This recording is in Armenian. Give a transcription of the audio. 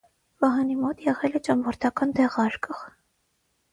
Վահանի մոտ եղել է ճամփորդական դեղարկղ։